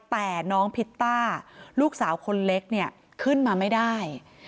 แต่น้องพิตต้าลูกสาวคนเล็กเนี่ยขึ้นมาไม่ได้